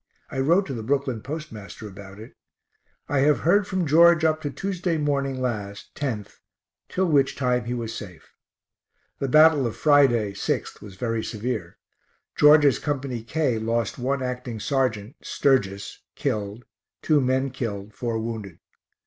I wrote to the Brooklyn postmaster about it. I have heard from George up to Tuesday morning last, 10th, till which time he was safe. The battle of Friday, 6th, was very severe. George's Co. K lost one acting sergeant, Sturgis, killed, 2 men killed, 4 wounded.